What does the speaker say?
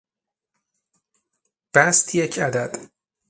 بسط یک عدد